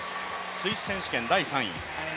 スイス選手権第３位。